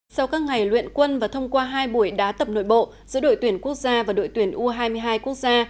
sau các ngày luyện quân và thông qua hai buổi đá tập nội bộ giữa đội tuyển quốc gia và đội tuyển u hai mươi hai quốc gia